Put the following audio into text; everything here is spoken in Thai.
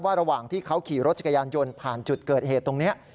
ระหว่างที่เขาขี่รถจักรยานยนต์ผ่านจุดเกิดเหตุตรงนี้